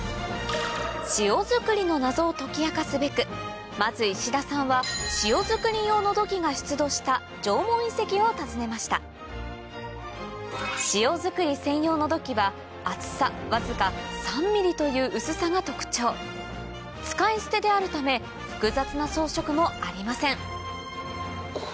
塩づくりの謎を解き明かすべくまず石田さんは塩づくり用の土器が出土した縄文遺跡を訪ねました塩づくり専用の土器は厚さわずか３ｍｍという薄さが特徴使い捨てであるため複雑な装飾もありません